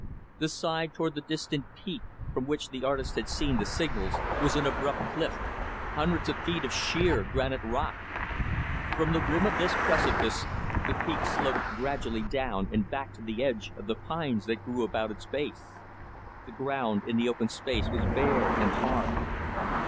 The side toward the distant peak from which the artist had seen the signals, was an abrupt cliff hundreds of feet of sheer, granite rock. From the rim of this precipice, the peak sloped gradually down and back to the edge of the pines that grew about its base. The ground in the open space was bare and hard.